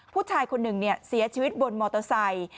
ผู้ชายคนหนึ่งเสียชีวิตบนมอเตอร์ไซค์